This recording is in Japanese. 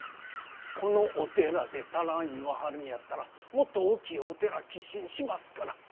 このお寺で足らんいわはるんやったらもっと大きいお寺寄進しますから！